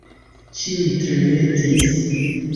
Ĉiuj tremetis.